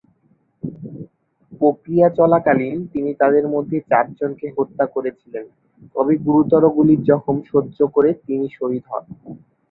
প্রক্রিয়া চলাকালীন, তিনি তাদের মধ্যে চারজনকে হত্যা করেছিলেন তবে গুরুতর গুলির জখম সহ্য করে তিনি শহীদ হন।